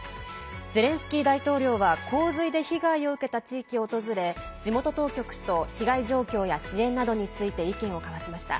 ゼレンスキー大統領は洪水で被害を受けた地域を訪れ地元当局と被害状況や支援などについて意見を交わしました。